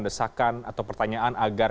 desakan atau pertanyaan agar